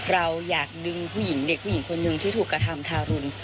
เราอยากดึงผู้หญิงเด็กผู้หญิงคนหนึ่งที่ถูกกระทำทารุณ